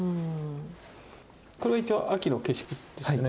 これは秋の景色ですよね。